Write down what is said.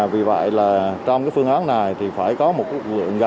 vì vậy là trong cái phương án này thì phải có một lượng gần như là